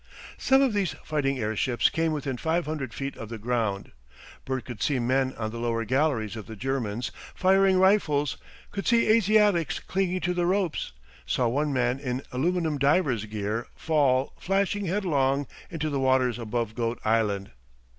Some of these fighting airships came within five hundred feet of the ground. Bert could see men on the lower galleries of the Germans, firing rifles; could see Asiatics clinging to the ropes; saw one man in aluminium diver's gear fall flashing headlong into the waters above Goat Island.